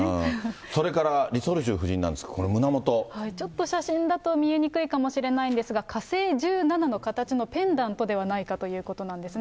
それからリ・ソルジュ夫人なんですが、ちょっと写真だと見えにくいかもしれないんですが、火星１７の形のペンダントではないかということなんですね。